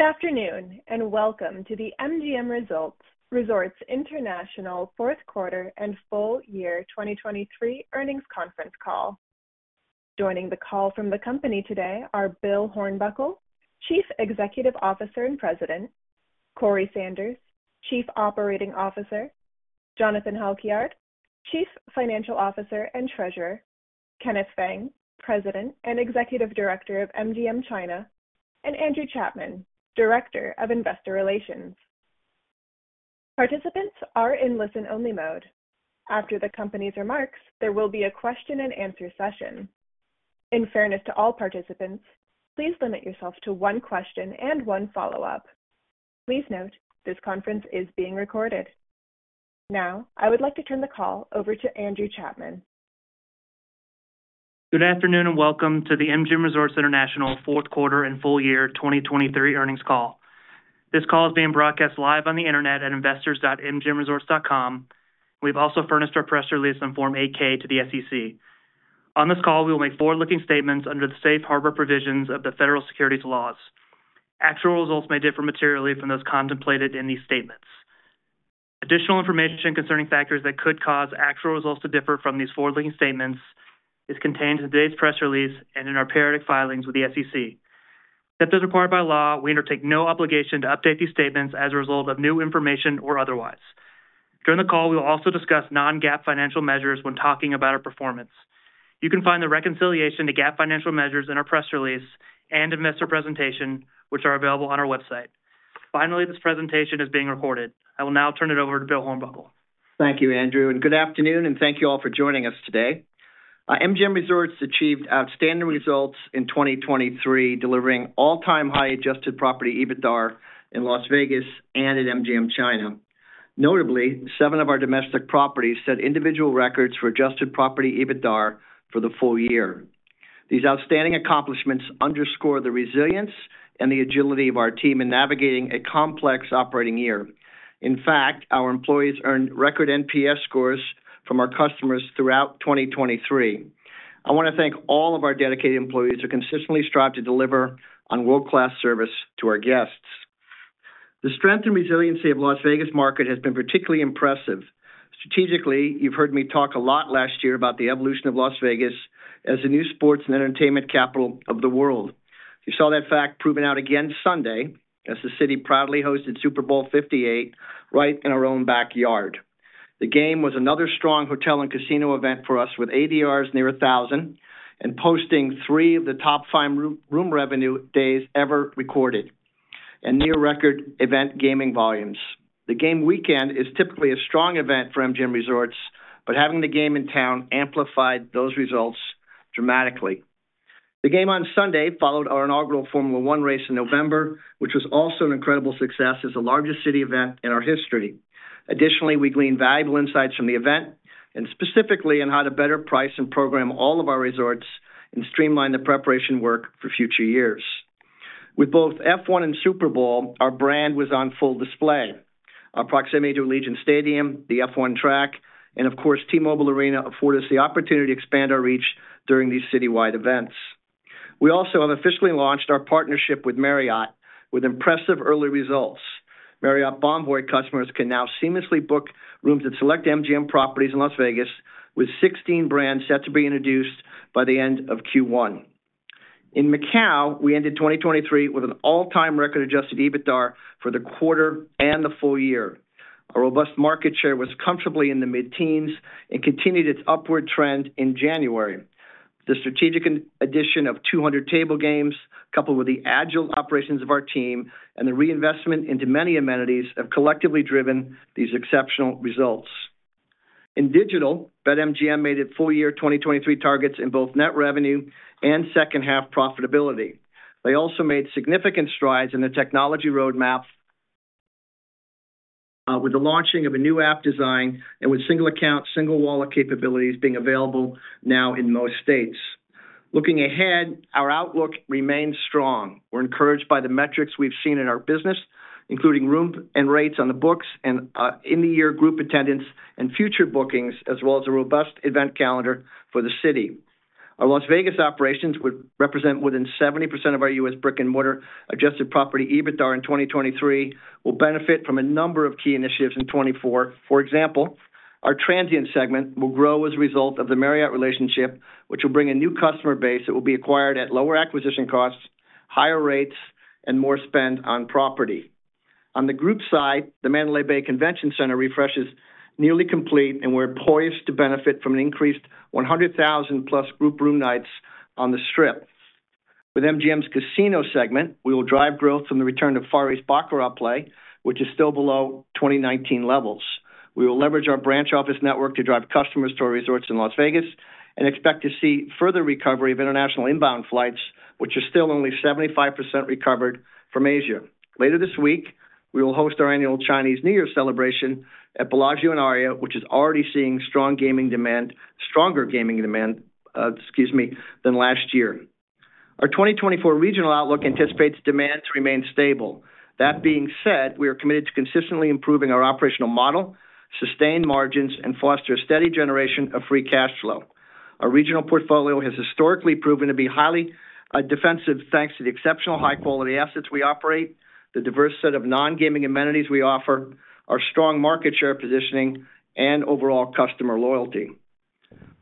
Good afternoon and welcome to the MGM Resorts International Fourth Quarter and Full Year 2023 Earnings Conference Call. Joining the call from the company today are Bill Hornbuckle, Chief Executive Officer and President, Corey Sanders, Chief Operating Officer, Jonathan Halkyard, Chief Financial Officer and Treasurer, Kenneth Feng, President and Executive Director of MGM China, and Andrew Chapman, Director of Investor Relations. Participants are in listen-only mode. After the company's remarks, there will be a question-and-answer session. In fairness to all participants, please limit yourself to one question and one follow-up. Please note, this conference is being recorded. Now, I would like to turn the call over to Andrew Chapman. Good afternoon and welcome to the MGM Resorts International Fourth Quarter and Full Year 2023 Earnings Call. This call is being broadcast live on the internet at investors.mgmresorts.com, and we've also furnished our press release on Form 8-K to the SEC. On this call, we will make forward-looking statements under the safe harbor provisions of the federal securities laws. Actual results may differ materially from those contemplated in these statements. Additional information concerning factors that could cause actual results to differ from these forward-looking statements is contained in today's press release and in our periodic filings with the SEC. If that's required by law, we undertake no obligation to update these statements as a result of new information or otherwise. During the call, we will also discuss non-GAAP financial measures when talking about our performance. You can find the reconciliation to GAAP financial measures in our press release and in investor's presentation, which are available on our website. Finally, this presentation is being recorded. I will now turn it over to Bill Hornbuckle. Thank you, Andrew, and good afternoon, and thank you all for joining us today. MGM Resorts achieved outstanding results in 2023 delivering all-time high Adjusted Property EBITDAR in Las Vegas and at MGM China. Notably, seven of our domestic properties set individual records for Adjusted Property EBITDAR for the full year. These outstanding accomplishments underscore the resilience and the agility of our team in navigating a complex operating year. In fact, our employees earned record NPS scores from our customers throughout 2023. I want to thank all of our dedicated employees who consistently strive to deliver on world-class service to our guests. The strength and resiliency of Las Vegas' market has been particularly impressive. Strategically, you've heard me talk a lot last year about the evolution of Las Vegas as the new sports and entertainment capital of the world. You saw that fact proven out again Sunday as the city proudly hosted Super Bowl LVIII right in our own backyard. The game was another strong hotel and casino event for us with ADRs near $1,000 and posting three of the top five room revenue days ever recorded, and near-record event gaming volumes. The game weekend is typically a strong event for MGM Resorts, but having the game in town amplified those results dramatically. The game on Sunday followed our inaugural Formula 1 race in November, which was also an incredible success as the largest city event in our history. Additionally, we gleaned valuable insights from the event, and specifically on how to better price and program all of our resorts and streamline the preparation work for future years. With both F1 and Super Bowl, our brand was on full display. Our proximity to Allegiant Stadium, the F1 track, and of course T-Mobile Arena afforded us the opportunity to expand our reach during these citywide events. We also have officially launched our partnership with Marriott with impressive early results. Marriott Bonvoy customers can now seamlessly book rooms at select MGM properties in Las Vegas with 16 brands set to be introduced by the end of Q1. In Macau, we ended 2023 with an all-time record adjusted EBITDAR for the quarter and the full year. Our robust market share was comfortably in the mid-teens and continued its upward trend in January. The strategic addition of 200 table games, coupled with the agile operations of our team and the reinvestment into many amenities, have collectively driven these exceptional results. In digital, BetMGM made its full year 2023 targets in both net revenue and second-half profitability. They also made significant strides in their technology roadmap with the launching of a new app design and with Single-Account, Single-Wallet capabilities being available now in most states. Looking ahead, our outlook remains strong. We're encouraged by the metrics we've seen in our business, including room and rates on the books and in-the-year group attendance and future bookings, as well as a robust event calendar for the city. Our Las Vegas operations, which represent within 70% of our U.S. brick-and-mortar adjusted property EBITDAR in 2023, will benefit from a number of key initiatives in 2024. For example, our transient segment will grow as a result of the Marriott relationship, which will bring a new customer base that will be acquired at lower acquisition costs, higher rates, and more spend on property. On the group side, the Mandalay Bay Convention Center refreshes nearly complete, and we're poised to benefit from an increased 100,000+ group room nights on the Strip. With MGM's casino segment, we will drive growth from the return of Far East Baccarat play, which is still below 2019 levels. We will leverage our branch office network to drive customers to our resorts in Las Vegas and expect to see further recovery of international inbound flights, which are still only 75% recovered from Asia. Later this week, we will host our annual Chinese New Year celebration at Bellagio in Aria, which is already seeing strong gaming demand, stronger gaming demand, excuse me, than last year. Our 2024 regional outlook anticipates demand to remain stable. That being said, we are committed to consistently improving our operational model, sustained margins, and foster a steady generation of free cash flow. Our regional portfolio has historically proven to be highly defensive thanks to the exceptional high-quality assets we operate, the diverse set of non-gaming amenities we offer, our strong market share positioning, and overall customer loyalty.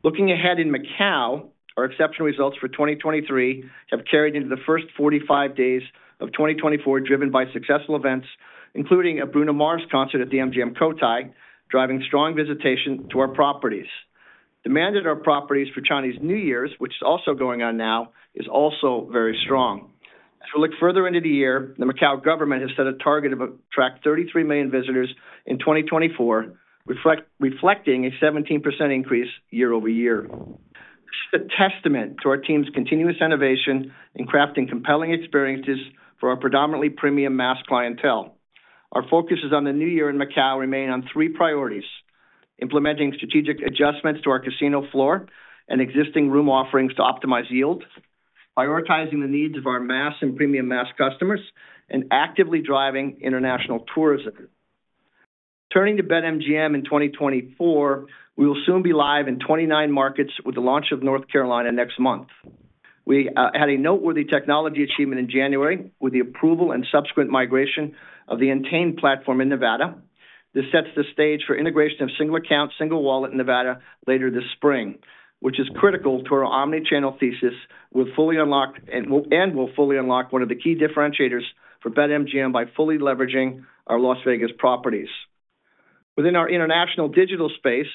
Looking ahead in Macau, our exceptional results for 2023 have carried into the first 45 days of 2024, driven by successful events, including a Bruno Mars concert at the MGM Cotai, driving strong visitation to our properties. Demand at our properties for Chinese New Year's, which is also going on now, is also very strong. As we look further into the year, the Macau government has set a target of attracting 33 million visitors in 2024, reflecting a 17% increase year-over-year. This is a testament to our team's continuous innovation in crafting compelling experiences for our predominantly premium mass clientele. Our focuses on the new year in Macau remain on three priorities: implementing strategic adjustments to our casino floor and existing room offerings to optimize yield; prioritizing the needs of our mass and premium mass customers; and actively driving international tourism. Turning to BetMGM in 2024, we will soon be live in 29 markets with the launch of North Carolina next month. We had a noteworthy technology achievement in January with the approval and subsequent migration of the Entain platform in Nevada. This sets the stage for integration of Single-Account, Single-Wallet in Nevada later this spring, which is critical to our omnichannel thesis and will fully unlock one of the key differentiators for BetMGM by fully leveraging our Las Vegas properties. Within our international digital space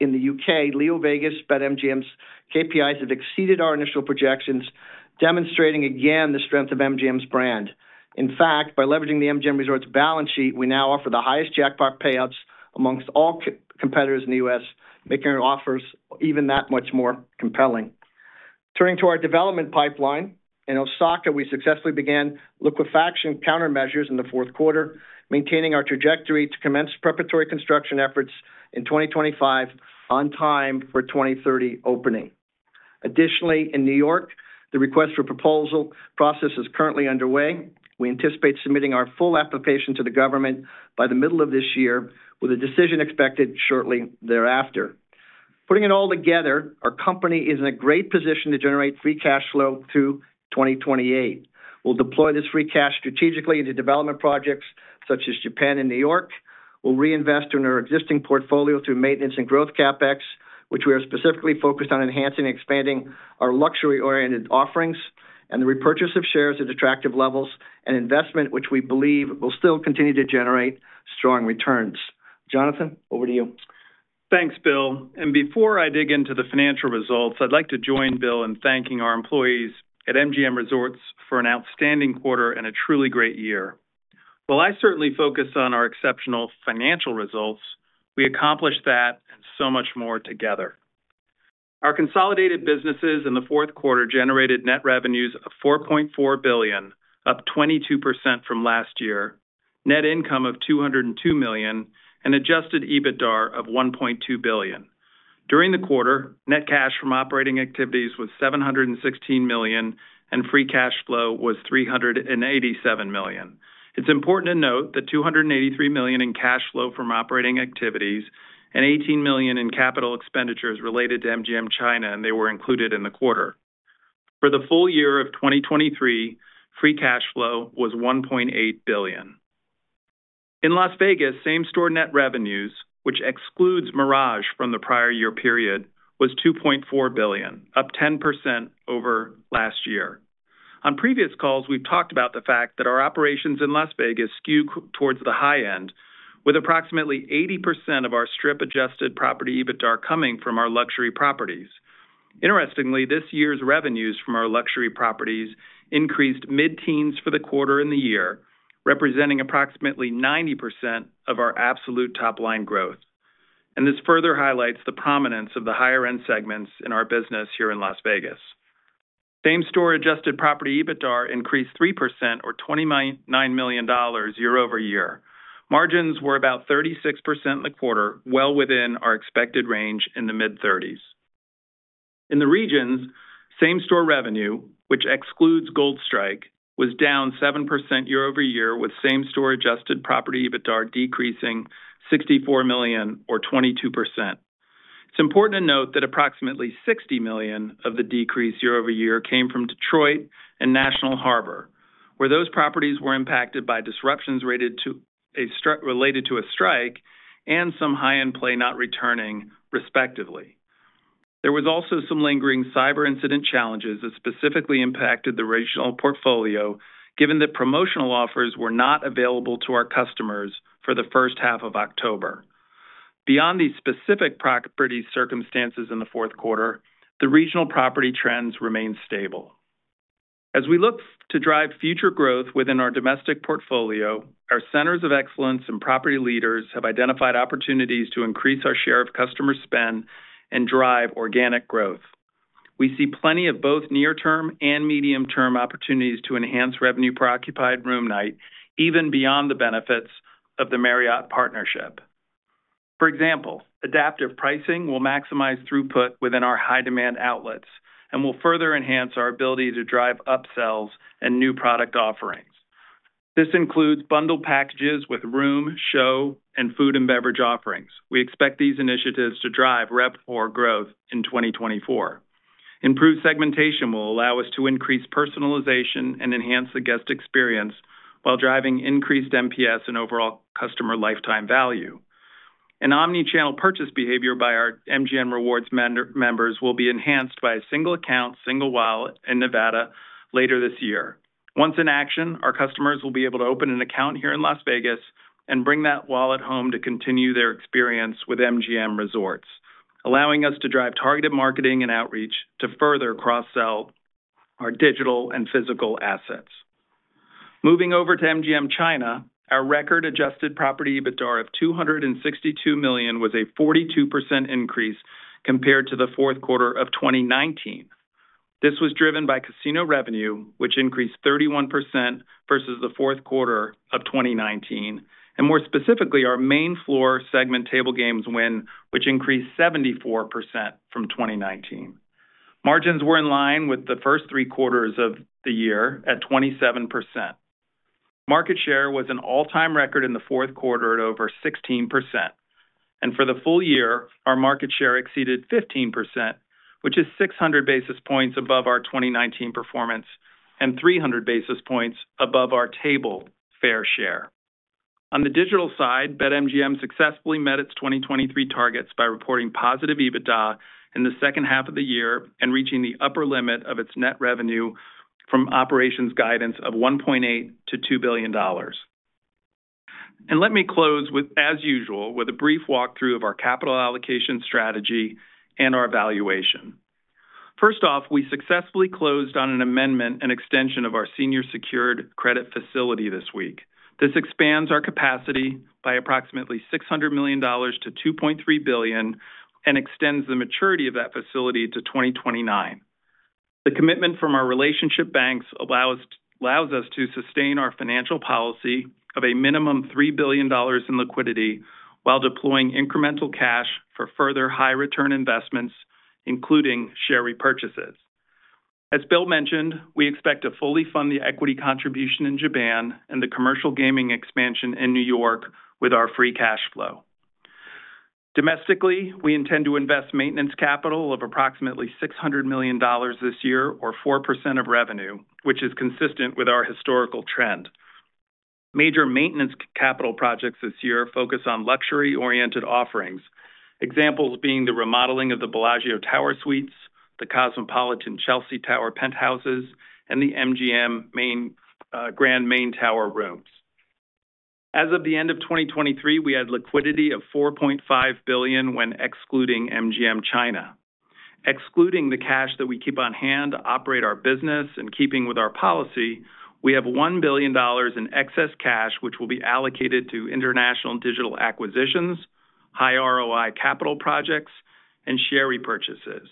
in the U.K., LeoVegas BetMGM's KPIs have exceeded our initial projections, demonstrating again the strength of MGM's brand. In fact, by leveraging the MGM Resorts balance sheet, we now offer the highest jackpot payouts among all competitors in the U.S., making our offers even that much more compelling. Turning to our development pipeline, in Osaka we successfully began liquefaction countermeasures in the fourth quarter, maintaining our trajectory to commence preparatory construction efforts in 2025 on time for 2030 opening. Additionally, in New York, the request for proposal process is currently underway. We anticipate submitting our full application to the government by the middle of this year, with a decision expected shortly thereafter. Putting it all together, our company is in a great position to generate free cash flow through 2028. We'll deploy this free cash strategically into development projects such as Japan and New York. We'll reinvest in our existing portfolio through maintenance and growth CapEx, which we are specifically focused on enhancing and expanding our luxury-oriented offerings, and the repurchase of shares at attractive levels and investment, which we believe will still continue to generate strong returns. Jonathan, over to you. Thanks, Bill. Before I dig into the financial results, I'd like to join Bill in thanking our employees at MGM Resorts for an outstanding quarter and a truly great year. While I certainly focus on our exceptional financial results, we accomplished that and so much more together. Our consolidated businesses in the fourth quarter generated net revenues of $4.4 billion, up 22% from last year, net income of $202 million, and adjusted EBITDAR of $1.2 billion. During the quarter, net cash from operating activities was $716 million, and free cash flow was $387 million. It's important to note that $283 million in cash flow from operating activities and $18 million in capital expenditures related to MGM China, and they were included in the quarter. For the full year of 2023, free cash flow was $1.8 billion. In Las Vegas, same-store net revenues, which excludes Mirage from the prior year period, was $2.4 billion, up 10% over last year. On previous calls, we've talked about the fact that our operations in Las Vegas skew towards the high end, with approximately 80% of our Strip-adjusted property EBITDAR coming from our luxury properties. Interestingly, this year's revenues from our luxury properties increased mid-teens for the quarter in the year, representing approximately 90% of our absolute top-line growth. And this further highlights the prominence of the higher-end segments in our business here in Las Vegas. Same-store adjusted property EBITDAR increased 3%, or $29 million, year over year. Margins were about 36% in the quarter, well within our expected range in the mid-30s. In the regions, same-store revenue, which excludes Gold Strike, was down 7% year-over-year, with same-store adjusted property EBITDAR decreasing $64 million, or 22%. It's important to note that approximately $60 million of the decrease year-over-year came from Detroit and National Harbor, where those properties were impacted by disruptions related to a strike and some high-end play not returning, respectively. There were also some lingering cyber incident challenges that specifically impacted the regional portfolio, given that promotional offers were not available to our customers for the first half of October. Beyond these specific property circumstances in the fourth quarter, the regional property trends remain stable. As we look to drive future growth within our domestic portfolio, our centers of excellence and property leaders have identified opportunities to increase our share of customer spend and drive organic growth. We see plenty of both near-term and medium-term opportunities to enhance revenue per occupied room night, even beyond the benefits of the Marriott partnership. For example, adaptive pricing will maximize throughput within our high-demand outlets and will further enhance our ability to drive upsells and new product offerings. This includes bundle packages with room, show, and food and beverage offerings. We expect these initiatives to drive Rep/awar growth in 2024. Improved segmentation will allow us to increase personalization and enhance the guest experience while driving increased NPS and overall customer lifetime value. An Omnichannel purchase behavior by our MGM Rewards members will be enhanced by a single-account, single-wallet in Nevada later this year. Once in action, our customers will be able to open an account here in Las Vegas and bring that wallet home to continue their experience with MGM Resorts, allowing us to drive targeted marketing and outreach to further cross-sell our digital and physical assets. Moving over to MGM China, our record adjusted property EBITDAR of $262 million was a 42% increase compared to the fourth quarter of 2019. This was driven by casino revenue, which increased 31% versus the fourth quarter of 2019, and more specifically, our main-floor segment table games win, which increased 74% from 2019. Margins were in line with the first three quarters of the year at 27%. Market share was an all-time record in the fourth quarter at over 16%. And for the full year, our market share exceeded 15%, which is 600 basis points above our 2019 performance and 300 basis points above our table fair share. On the digital side, BetMGM successfully met its 2023 targets by reporting positive EBITDA in the second half of the year and reaching the upper limit of its net revenue from operations guidance of $1.8 billion-$2 billion. Let me close with, as usual, a brief walkthrough of our capital allocation strategy and our valuation. First off, we successfully closed on an amendment and extension of our senior secured credit facility this week. This expands our capacity by approximately $600 million-$2.3 billion and extends the maturity of that facility to 2029. The commitment from our relationship banks allows us to sustain our financial policy of a minimum $3 billion in liquidity while deploying incremental cash for further high-return investments, including share repurchases. As Bill mentioned, we expect to fully fund the equity contribution in Japan and the commercial gaming expansion in New York with our free cash flow. Domestically, we intend to invest maintenance capital of approximately $600 million this year, or 4% of revenue, which is consistent with our historical trend. Major maintenance capital projects this year focus on luxury-oriented offerings, examples being the remodeling of the Bellagio Tower suites, the Cosmopolitan Chelsea Tower penthouses, and the MGM Grand Main Tower rooms. As of the end of 2023, we had liquidity of $4.5 billion when excluding MGM China. Excluding the cash that we keep on hand to operate our business and keeping with our policy, we have $1 billion in excess cash which will be allocated to international digital acquisitions, high ROI capital projects, and share repurchases.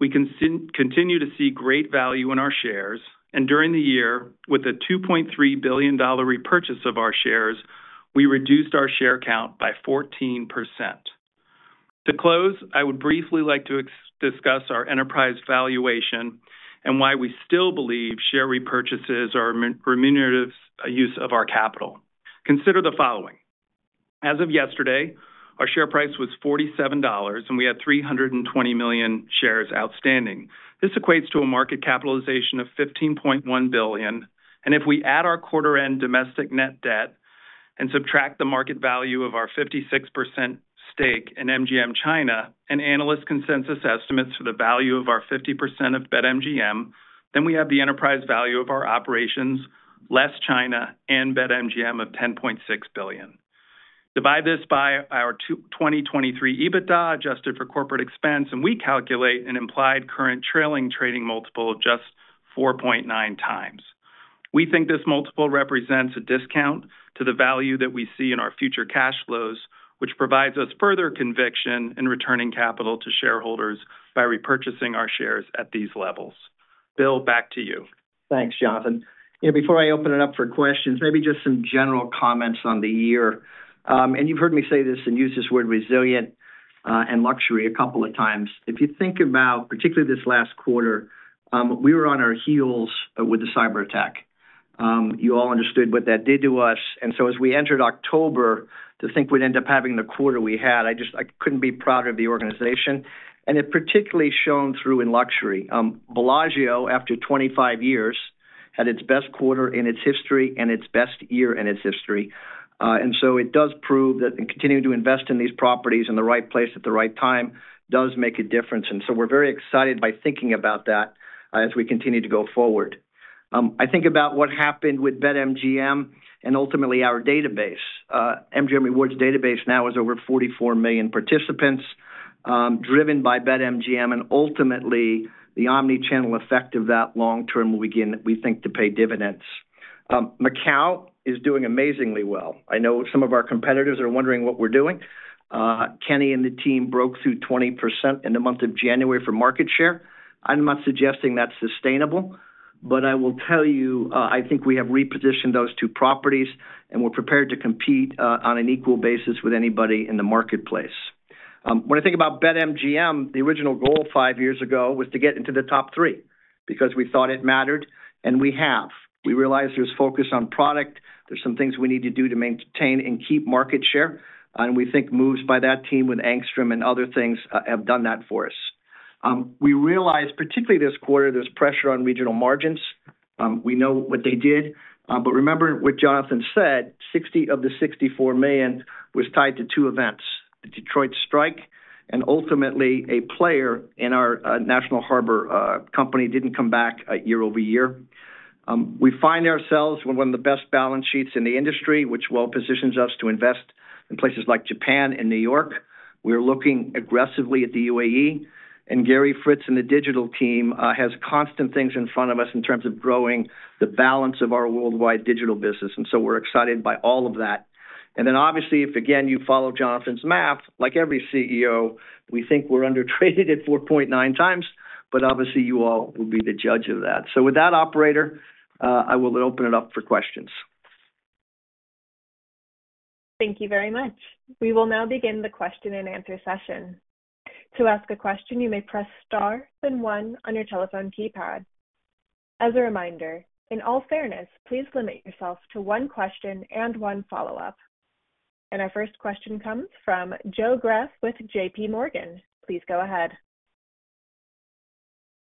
We continue to see great value in our shares, and during the year, with a $2.3 billion repurchase of our shares, we reduced our share count by 14%. To close, I would briefly like to discuss our enterprise valuation and why we still believe share repurchases are a remunerative use of our capital. Consider the following: As of yesterday, our share price was $47, and we had 320 million shares outstanding. This equates to a market capitalization of $15.1 billion. And if we add our quarter-end domestic net debt and subtract the market value of our 56% stake in MGM China and analyst consensus estimates for the value of our 50% of BetMGM, then we have the enterprise value of our operations, less China, and BetMGM of $10.6 billion. Divide this by our 2023 EBITDA adjusted for corporate expense, and we calculate an implied current trailing trading multiple of just 4.9x. We think this multiple represents a discount to the value that we see in our future cash flows, which provides us further conviction in returning capital to shareholders by repurchasing our shares at these levels. Bill, back to you. Thanks, Jonathan. You know, before I open it up for questions, maybe just some general comments on the year. And you've heard me say this and use this word "resilient" and "luxury" a couple of times. If you think about particularly this last quarter, we were on our heels with the cyberattack. You all understood what that did to us. And so as we entered October, to think we'd end up having the quarter we had, I just couldn't be prouder of the organization. And it particularly shone through in luxury. Bellagio, after 25 years, had its best quarter in its history and its best year in its history. And so it does prove that continuing to invest in these properties in the right place at the right time does make a difference. And so we're very excited by thinking about that as we continue to go forward. I think about what happened with BetMGM and ultimately our database. MGM Rewards database now has over 44 million participants, driven by BetMGM. Ultimately, the omnichannel effect of that long-term will begin, we think, to pay dividends. Macau is doing amazingly well. I know some of our competitors are wondering what we're doing. Kenny and the team broke through 20% in the month of January for market share. I'm not suggesting that's sustainable, but I will tell you, I think we have repositioned those two properties, and we're prepared to compete on an equal basis with anybody in the marketplace. When I think about BetMGM, the original goal five years ago was to get into the top three because we thought it mattered, and we have. We realize there's focus on product. There's some things we need to do to maintain and keep market share. We think moves by that team with Angstrom and other things have done that for us. We realize, particularly this quarter, there's pressure on regional margins. We know what they did. But remember what Jonathan said, $60 million of the $64 million was tied to two events: the Detroit strike and ultimately a player in our National Harbor company didn't come back year-over-year. We find ourselves with one of the best balance sheets in the industry, which well positions us to invest in places like Japan and New York. We're looking aggressively at the UAE. Gary Fritz and the digital team have constant things in front of us in terms of growing the balance of our worldwide digital business. So we're excited by all of that. Then obviously, if again, you follow Jonathan's math, like every CEO, we think we're under traded at 4.9x, but obviously you all will be the judge of that. With that, operator, I will open it up for questions. Thank you very much. We will now begin the question-and-answer session. To ask a question, you may press * then one on your telephone keypad. As a reminder, in all fairness, please limit yourself to one question and one follow-up. Our first question comes from Joe Greff with JPMorgan. Please go ahead.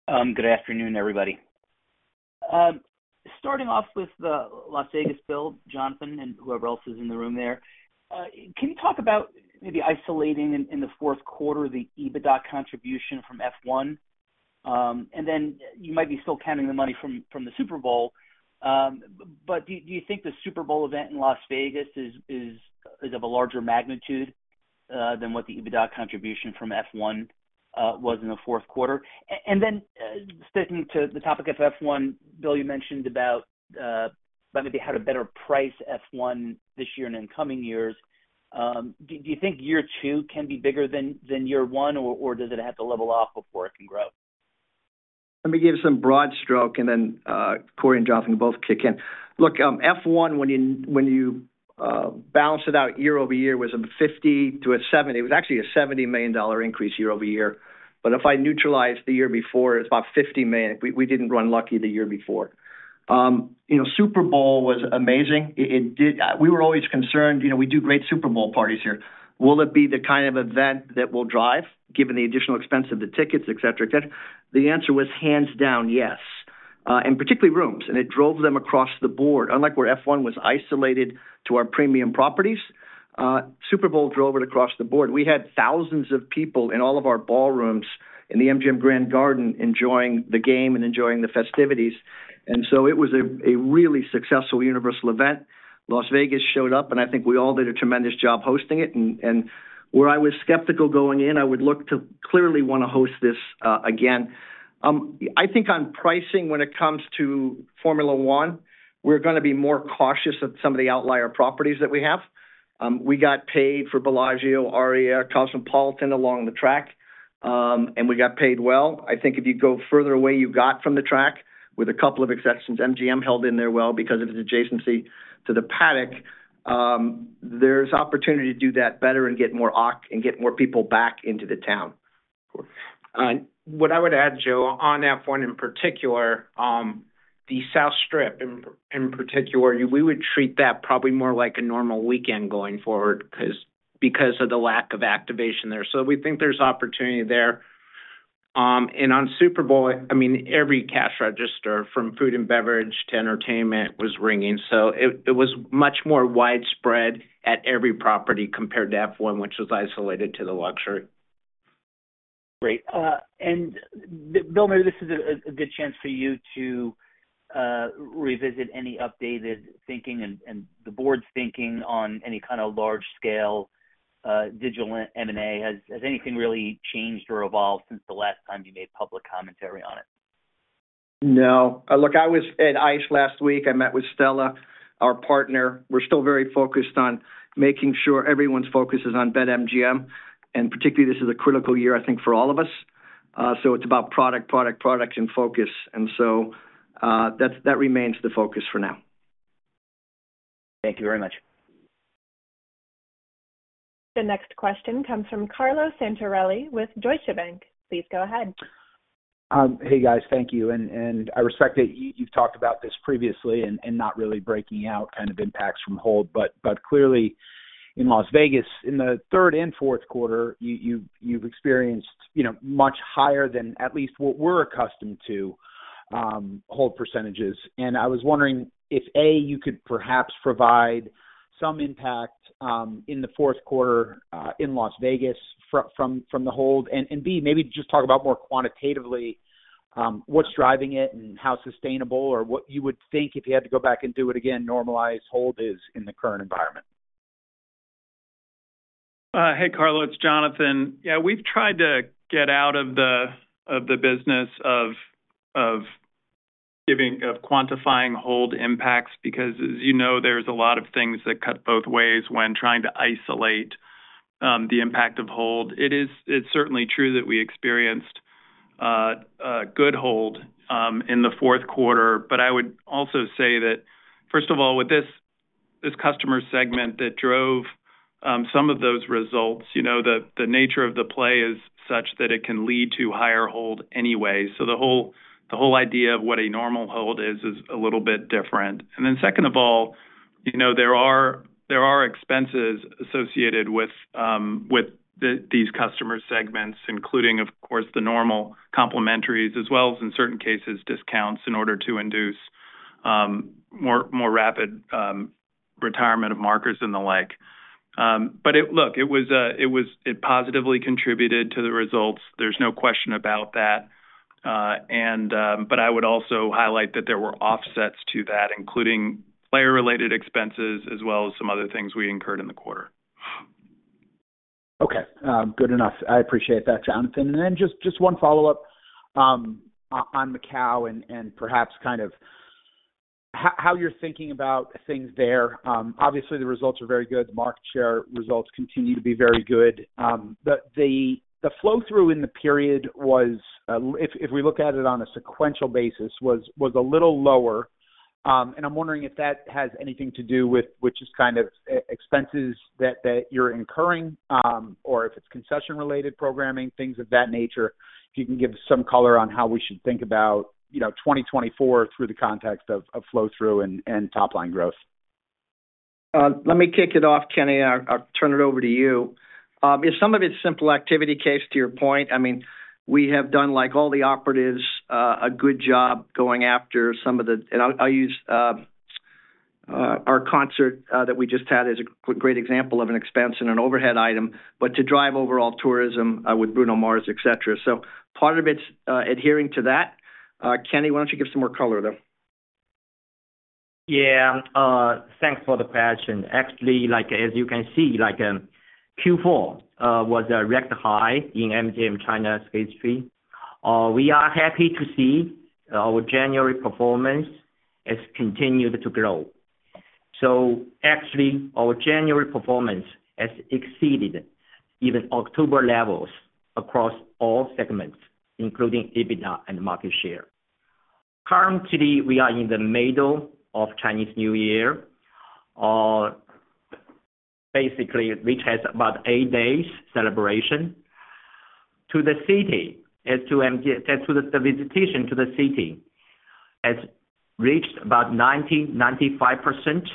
Good afternoon, everybody. Starting off with the Las Vegas bill, Jonathan, and whoever else is in the room there, can you talk about maybe isolating in the fourth quarter the EBITDA contribution from F1? And then you might be still counting the money from the Super Bowl, but do you think the Super Bowl event in Las Vegas is of a larger magnitude than what the EBITDA contribution from F1 was in the fourth quarter? And then sticking to the topic of F1, Bill, you mentioned about maybe how to better price F1 this year and in coming years. Do you think year two can be bigger than year one, or does it have to level off before it can grow? Let me give some broad stroke, and then Corey and Jonathan can both kick in. Look, F1, when you balanced it out year-over-year, was a $50 million-$70 million; it was actually a $70 million increase year-over-year. But if I neutralize the year before, it's about $50 million. We didn't run lucky the year before. Super Bowl was amazing. We were always concerned we do great Super Bowl parties here. Will it be the kind of event that will drive, given the additional expense of the tickets, et cetera, et cetera? The answer was hands down yes, and particularly rooms. And it drove them across the board. Unlike where F1 was isolated to our premium properties, Super Bowl drove it across the board. We had thousands of people in all of our ballrooms in the MGM Grand Garden enjoying the game and enjoying the festivities. So it was a really successful universal event. Las Vegas showed up, and I think we all did a tremendous job hosting it. Where I was skeptical going in, I would look to clearly want to host this again. I think on pricing, when it comes to Formula 1, we're going to be more cautious at some of the outlier properties that we have. We got paid for Bellagio, Aria, Cosmopolitan along the track, and we got paid well. I think if you go further away you got from the track, with a couple of exceptions, MGM held in there well because of its adjacency to the paddock. There's opportunity to do that better and get more occupancy and get more people back into the town. What I would add, Joe, on F1 in particular, the South Strip in particular, we would treat that probably more like a normal weekend going forward because of the lack of activation there. So we think there's opportunity there. And on Super Bowl, I mean, every cash register from food and beverage to entertainment was ringing. So it was much more widespread at every property compared to F1, which was isolated to the luxury. Great. And Bill, maybe this is a good chance for you to revisit any updated thinking and the board's thinking on any kind of large-scale digital M&A. Has anything really changed or evolved since the last time you made public commentary on it? No. Look, I was at ICE last week. I met with Stella, our partner. We're still very focused on making sure everyone's focus is on BetMGM. And particularly, this is a critical year, I think, for all of us. So it's about product, product, product, and focus. And so that remains the focus for now. Thank you very much. The next question comes from Carlo Santarelli with Deutsche Bank. Please go ahead. Hey, guys. Thank you. I respect that you've talked about this previously and not really breaking out kind of impacts from hold. But clearly, in Las Vegas, in the third and fourth quarter, you've experienced much higher than at least what we're accustomed to hold percentages. I was wondering if, A, you could perhaps provide some impact in the fourth quarter in Las Vegas from the hold, and B, maybe just talk about more quantitatively what's driving it and how sustainable or what you would think if you had to go back and do it again, normalize hold, is in the current environment. Hey, Carlo. It's Jonathan. Yeah, we've tried to get out of the business of quantifying hold impacts because, as you know, there's a lot of things that cut both ways when trying to isolate the impact of hold. It's certainly true that we experienced good hold in the fourth quarter. But I would also say that, first of all, with this customer segment that drove some of those results, the nature of the play is such that it can lead to higher hold anyway. So the whole idea of what a normal hold is is a little bit different. And then second of all, there are expenses associated with these customer segments, including, of course, the normal complimentaries, as well as, in certain cases, discounts in order to induce more rapid retirement of markers and the like. But look, it positively contributed to the results. There's no question about that. But I would also highlight that there were offsets to that, including player-related expenses as well as some other things we incurred in the quarter. Okay. Good enough. I appreciate that, Jonathan. And then just one follow-up on Macau and perhaps kind of how you're thinking about things there. Obviously, the results are very good. The market share results continue to be very good. But the flow-through in the period, if we look at it on a sequential basis, was a little lower. And I'm wondering if that has anything to do with just kind of expenses that you're incurring or if it's concession-related programming, things of that nature, if you can give some color on how we should think about 2024 through the context of flow-through and top-line growth. Let me kick it off, Kenny. I'll turn it over to you. Some of it's simple activity case, to your point, I mean, we have done, like all the operations, a good job going after some of the and I'll use our concert that we just had as a great example of an expense and an overhead item, but to drive overall tourism with Bruno Mars, et cetera. So part of it's adhering to that. Kenny, why don't you give some more color, though? Yeah. Thanks for the question. Actually, as you can see, Q4 was a record high in MGM China's history. We are happy to see our January performance has continued to grow. So actually, our January performance has exceeded even October levels across all segments, including EBITDA and market share. Currently, we are in the middle of Chinese New Year, basically, which has about eight days' celebration. As to the city, as to the visitation to the city, has reached about 90%-95%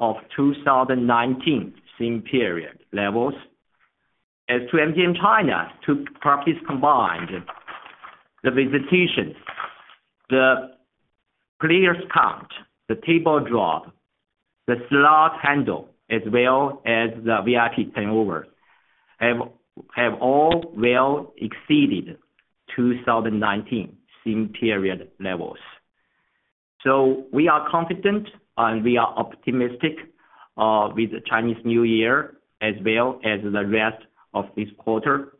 of 2019 same-period levels. As to MGM China, two properties combined, the visitation, the players' count, the table drop, the slot handle, as well as the VIP turnover, have all well exceeded 2019 same-period levels. So we are confident, and we are optimistic with Chinese New Year as well as the rest of this quarter.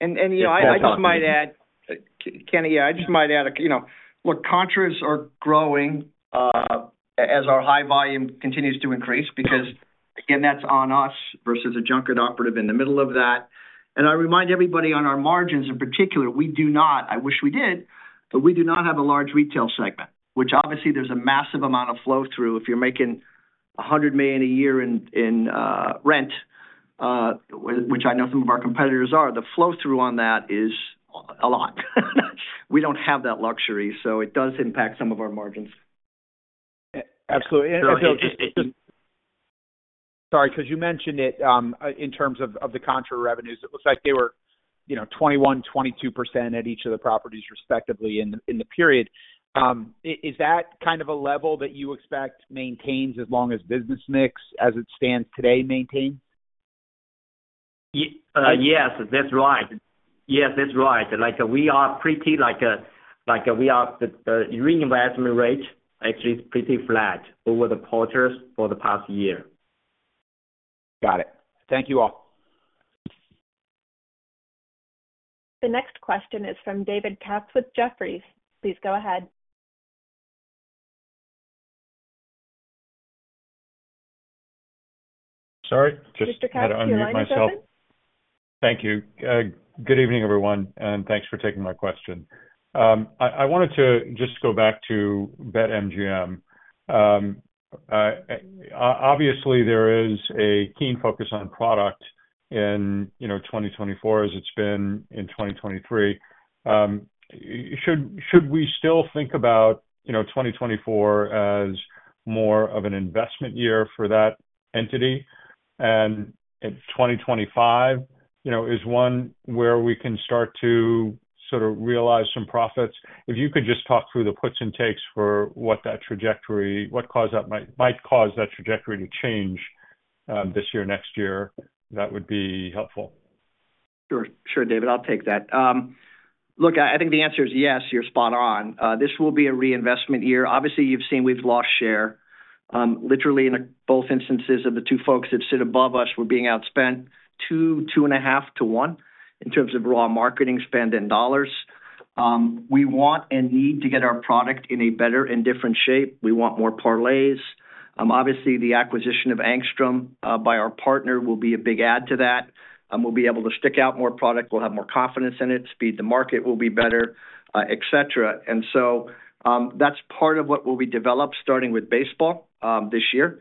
And I just might add, Kenny, yeah, I just might add, look, contra is growing as our high volume continues to increase because, again, that's on us versus a junket operative in the middle of that. And I remind everybody on our margins in particular, we do not. I wish we did, but we do not have a large retail segment, which obviously, there's a massive amount of flow-through. If you're making $100 million a year in rent, which I know some of our competitors are, the flow-through on that is a lot. We don't have that luxury, so it does impact some of our margins. Absolutely. Bill, just sorry, because you mentioned it in terms of the contra revenues. It looks like they were 21%-22% at each of the properties, respectively, in the period. Is that kind of a level that you expect maintains as long as business mix, as it stands today, maintains? Yes. That's right. Yes, that's right. The reinvestment rate actually is pretty flat over the quarters for the past year. Got it. Thank you all. The next question is from David Katz with Jefferies. Please go ahead. Sorry? Just. Mr. Katz, you want to answer? May I unmute myself? Thank you. Good evening, everyone, and thanks for taking my question. I wanted to just go back to BetMGM. Obviously, there is a keen focus on product in 2024 as it's been in 2023. Should we still think about 2024 as more of an investment year for that entity? 2025 is one where we can start to sort of realize some profits. If you could just talk through the puts and takes for what caused that trajectory, what might cause that trajectory to change this year, next year, that would be helpful. Sure. Sure, David. I'll take that. Look, I think the answer is yes. You're spot on. This will be a reinvestment year. Obviously, you've seen we've lost share. Literally, in both instances of the two folks that sit above us, we're being outspent two, 2.5-to-1 in terms of raw marketing spend in dollars. We want and need to get our product in a better and different shape. We want more parlays. Obviously, the acquisition of Angstrom by our partner will be a big add to that. We'll be able to stick out more product. We'll have more confidence in it. Speed to market will be better, et cetera. And so that's part of what will be developed starting with baseball this year.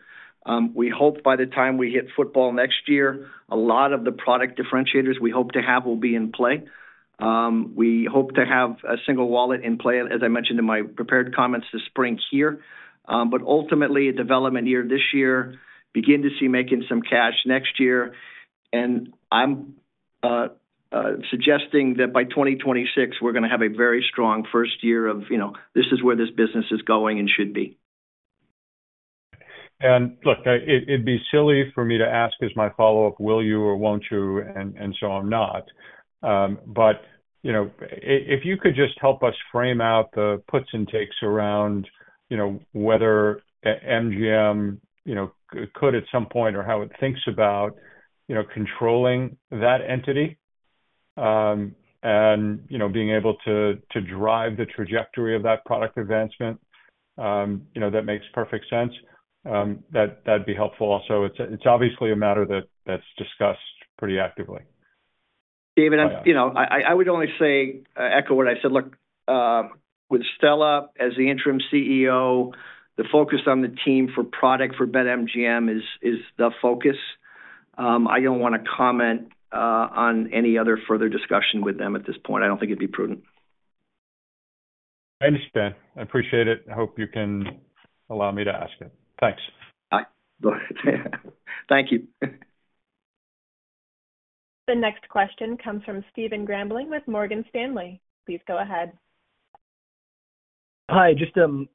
We hope by the time we hit football next year, a lot of the product differentiators we hope to have will be in play. We hope to have a single wallet in play, as I mentioned in my prepared comments this spring here. But ultimately, a development year this year, begin to see making some cash next year. And I'm suggesting that by 2026, we're going to have a very strong first year of, "This is where this business is going and should be. Look, it'd be silly for me to ask as my follow-up, "Will you or won't you?" So I'm not. But if you could just help us frame out the puts and takes around whether MGM could at some point or how it thinks about controlling that entity and being able to drive the trajectory of that product advancement, that makes perfect sense. That'd be helpful also. It's obviously a matter that's discussed pretty actively. David, I would only say echo what I said. Look, with Stella as the Interim CEO, the focus on the team for product for BetMGM is the focus. I don't want to comment on any other further discussion with them at this point. I don't think it'd be prudent. I understand. I appreciate it. I hope you can allow me to ask it. Thanks. Thank you. The next question comes from Stephen Grambling with Morgan Stanley. Please go ahead. Hi. Just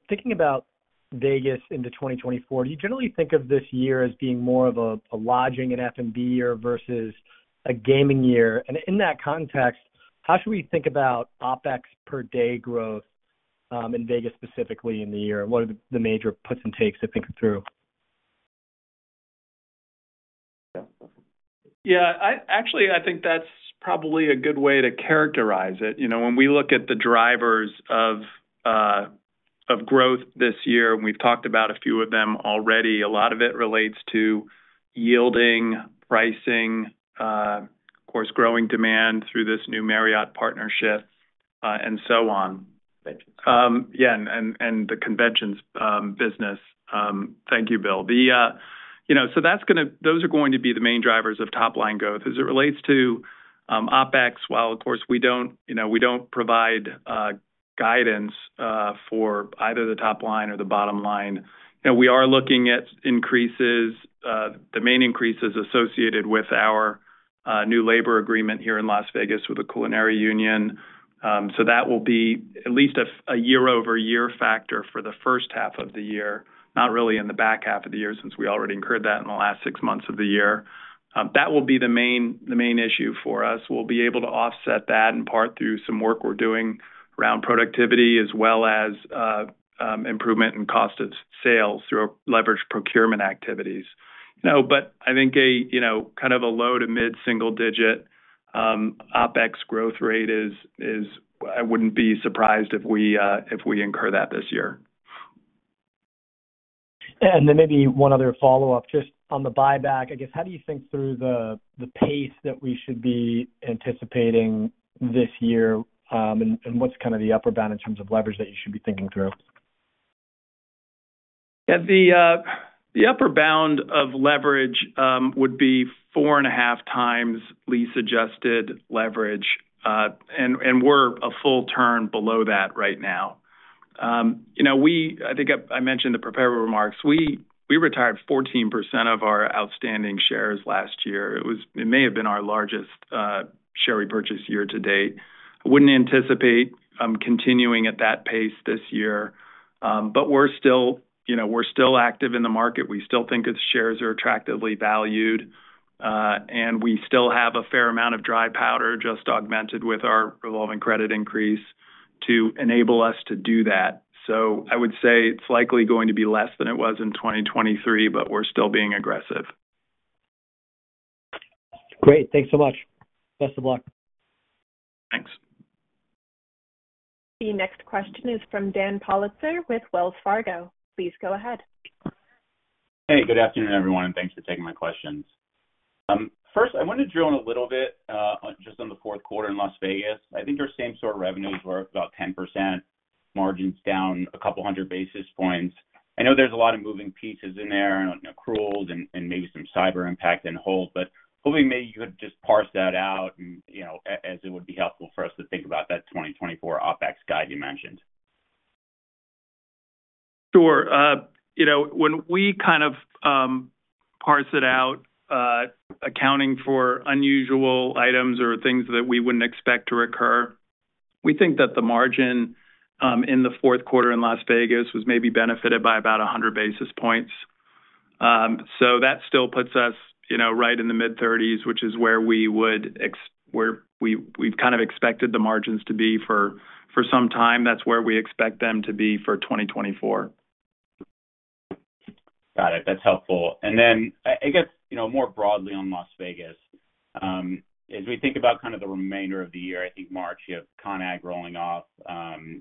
thinking about Vegas into 2024, do you generally think of this year as being more of a lodging and F&B year versus a gaming year? And in that context, how should we think about OPEX per day growth in Vegas specifically in the year? And what are the major puts and takes to think through? Yeah. Actually, I think that's probably a good way to characterize it. When we look at the drivers of growth this year, and we've talked about a few of them already, a lot of it relates to yielding, pricing, of course, growing demand through this new Marriott partnership, and so on. Yeah, and the conventions business. Thank you, Bill. So those are going to be the main drivers of top-line growth as it relates to OpEx. While, of course, we don't provide guidance for either the top line or the bottom line, we are looking at increases, the main increases associated with our new labor agreement here in Las Vegas with the Culinary Union. That will be at least a year-over-year factor for the first half of the year, not really in the back half of the year since we already incurred that in the last six months of the year. That will be the main issue for us. We'll be able to offset that in part through some work we're doing around productivity as well as improvement in cost of sales through leveraged procurement activities. But I think kind of a low to mid-single-digit OpEx growth rate is. I wouldn't be surprised if we incur that this year. And then maybe one other follow-up just on the buyback. I guess, how do you think through the pace that we should be anticipating this year, and what's kind of the upper bound in terms of leverage that you should be thinking through? Yeah. The upper bound of leverage would be 4.5x lease-adjusted leverage. And we're a full turn below that right now. I think I mentioned the preparatory remarks. We retired 14% of our outstanding shares last year. It may have been our largest share repurchase year to date. I wouldn't anticipate continuing at that pace this year. But we're still active in the market. We still think our shares are attractively valued. And we still have a fair amount of dry powder just augmented with our revolving credit increase to enable us to do that. So I would say it's likely going to be less than it was in 2023, but we're still being aggressive. Great. Thanks so much. Best of luck. Thanks. The next question is from Dan Politzer with Wells Fargo. Please go ahead. Hey. Good afternoon, everyone, and thanks for taking my questions. First, I wanted to drill in a little bit just on the fourth quarter in Las Vegas. I think our same-store revenues were about 10%, margins down a couple hundred basis points. I know there's a lot of moving pieces in there, cruels, and maybe some cyber impact and hold. But hopefully, maybe you could just parse that out as it would be helpful for us to think about that 2024 OpEx guide you mentioned. Sure. When we kind of parse it out, accounting for unusual items or things that we wouldn't expect to occur, we think that the margin in the fourth quarter in Las Vegas was maybe benefited by about 100 basis points. So that still puts us right in the mid-30s, which is where we've kind of expected the margins to be for some time. That's where we expect them to be for 2024. Got it. That's helpful. And then I guess more broadly on Las Vegas, as we think about kind of the remainder of the year, I think March, you have CON/AGG rolling off,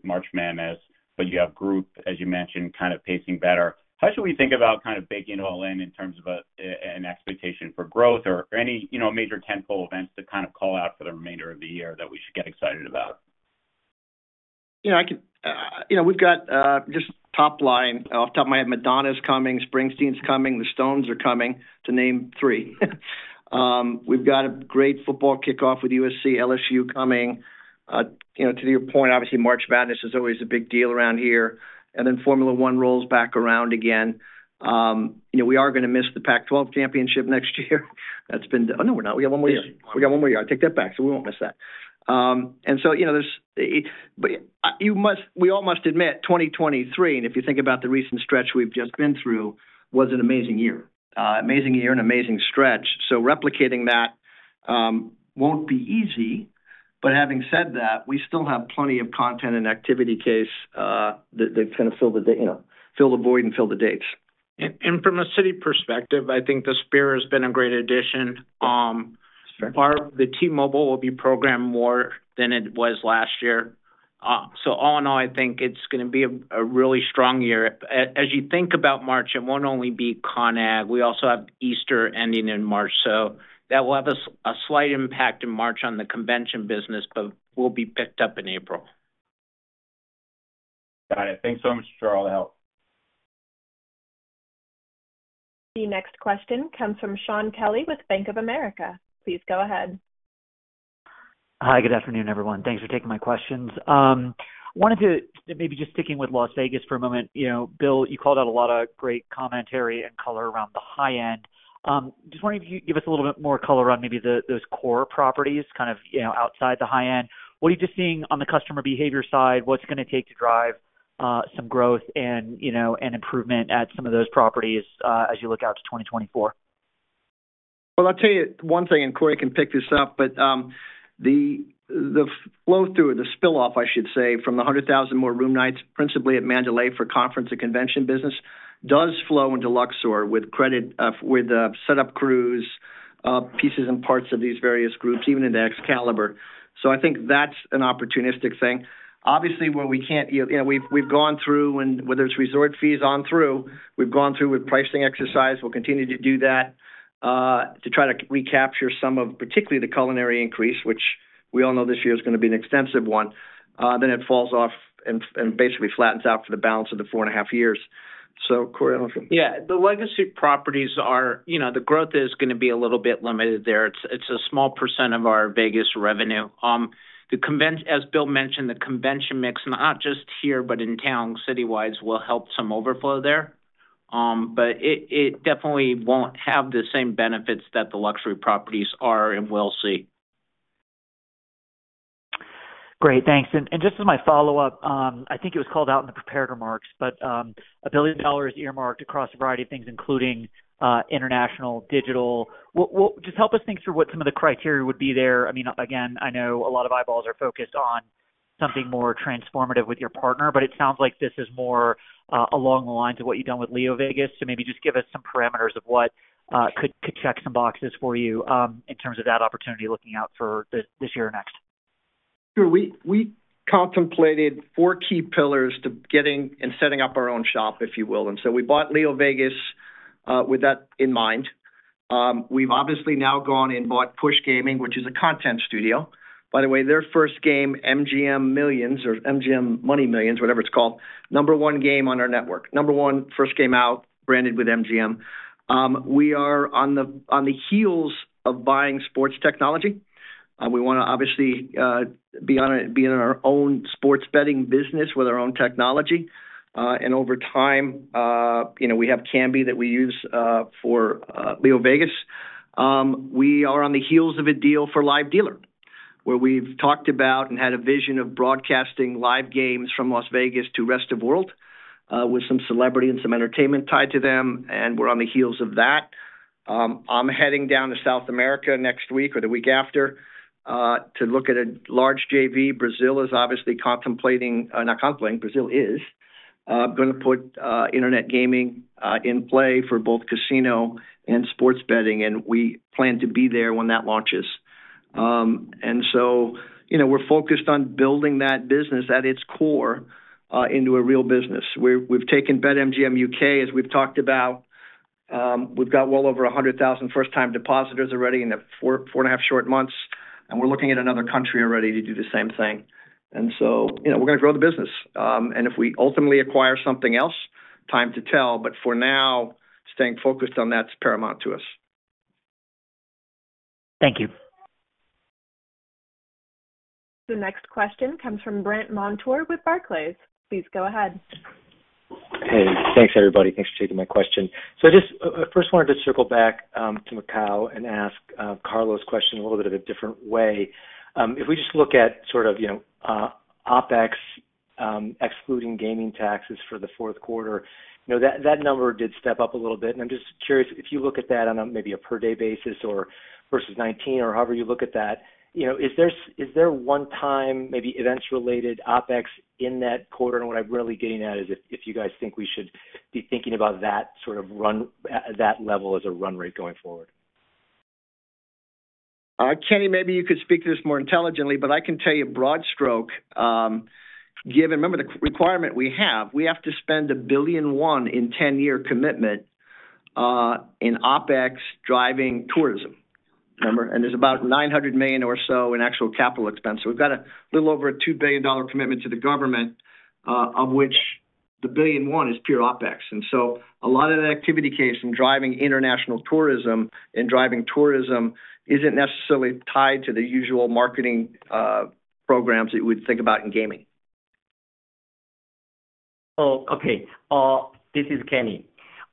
March Madness, but you have Group, as you mentioned, kind of pacing better. How should we think about kind of baking it all in in terms of an expectation for growth or any major tentpole events to kind of call out for the remainder of the year that we should get excited about? Yeah. We've got just top line. Off the top of my head, Madonna's coming, Springsteen's coming, the Stones are coming to name three. We've got a great football kickoff with USC, LSU coming. To your point, obviously, March Madness is always a big deal around here. And then Formula One rolls back around again. We are going to miss the Pac-12 Championship next year. That's been oh, no, we're not. We got one more year. We got one more year. I take that back, so we won't miss that. And so there's but we all must admit 2023, and if you think about the recent stretch we've just been through, was an amazing year. Amazing year and amazing stretch. So replicating that won't be easy. But having said that, we still have plenty of content and activity case that kind of fill the void and fill the dates. From a city perspective, I think the Sphere has been a great addition. The T-Mobile will be programmed more than it was last year. All in all, I think it's going to be a really strong year. As you think about March, it won't only be Conag. We also have Easter ending in March. That will have a slight impact in March on the convention business, but will be picked up in April. Got it. Thanks so much, Charles, for all the help. The next question comes from Shaun Kelly with Bank of America. Please go ahead. Hi. Good afternoon, everyone. Thanks for taking my questions. Wanted to maybe just sticking with Las Vegas for a moment. Bill, you called out a lot of great commentary and color around the high end. Just wanted to give us a little bit more color on maybe those core properties kind of outside the high end. What are you just seeing on the customer behavior side? What's it going to take to drive some growth and improvement at some of those properties as you look out to 2024? Well, I'll tell you one thing, and Corey can pick this up. But the flow-through, the spill-off, I should say, from the 100,000 more room nights, principally at Mandalay for conference and convention business, does flow into Luxor with the setup crews, pieces and parts of these various groups, even into Excalibur. So I think that's an opportunistic thing. Obviously, where we can't we've gone through and whether it's resort fees on through, we've gone through with pricing exercise. We'll continue to do that to try to recapture some of particularly the culinary increase, which we all know this year is going to be an extensive one. Then it falls off and basically flattens out for the balance of the four and a half years. So, Corey, I don't know if you're. Yeah. The legacy properties, the growth is going to be a little bit limited there. It's a small percent of our Vegas revenue. As Bill mentioned, the convention mix, not just here but in town citywide, will help some overflow there. But it definitely won't have the same benefits that the luxury properties are in wealthy. Great. Thanks. And just as my follow-up, I think it was called out in the prepared remarks, but $1 billion earmarked across a variety of things, including international, digital. Just help us think through what some of the criteria would be there. I mean, again, I know a lot of eyeballs are focused on something more transformative with your partner, but it sounds like this is more along the lines of what you've done with LeoVegas. So maybe just give us some parameters of what could check some boxes for you in terms of that opportunity looking out for this year or next. Sure. We contemplated four key pillars to getting and setting up our own shop, if you will. So we bought LeoVegas with that in mind. We've obviously now gone and bought Push Gaming, which is a content studio. By the way, their first game, MGM Millions or MGM Money Millions, whatever it's called, number one game on our network, number one first game out branded with MGM. We are on the heels of buying sports technology. We want to obviously be in our own sports betting business with our own technology. And over time, we have Kambi that we use for LeoVegas. We are on the heels of a deal for Live Dealer, where we've talked about and had a vision of broadcasting live games from Las Vegas to the rest of the world with some celebrity and some entertainment tied to them. We're on the heels of that. I'm heading down to South America next week or the week after to look at a large JV. Brazil is obviously contemplating. Brazil is. I'm going to put internet gaming in play for both casino and sports betting. We plan to be there when that launches. We're focused on building that business at its core into a real business. We've taken BetMGM UK, as we've talked about. We've got well over 100,000 first-time depositors already in the four and a half short months. We're looking at another country already to do the same thing. We're going to grow the business. If we ultimately acquire something else, time to tell. But for now, staying focused on that. That's paramount to us. Thank you. The next question comes from Brandt Montour with Barclays. Please go ahead. Hey. Thanks, everybody. Thanks for taking my question. So I just first wanted to circle back to Macau and ask Carlo's question a little bit of a different way. If we just look at sort of OpEx excluding gaming taxes for the fourth quarter, that number did step up a little bit. I'm just curious, if you look at that on maybe a per-day basis versus 2019 or however you look at that, is there one time, maybe events-related OpEx in that quarter? What I'm really getting at is if you guys think we should be thinking about that sort of run at that level as a run rate going forward. Kenny, maybe you could speak to this more intelligently, but I can tell you in broad strokes, given, remember, the requirement we have. We have to spend 1 billion in 10-year commitment in OPEX driving tourism, remember? And there's about 900 million or so in actual capital expense. So we've got a little over $2 billion commitment to the government, of which the 1 billion is pure OPEX. And so a lot of that activity case in driving international tourism and driving tourism isn't necessarily tied to the usual marketing programs that you would think about in gaming. Oh, okay. This is Kenny.